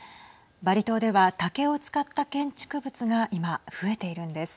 バリ島では竹を使った建築物が今、増えているんです。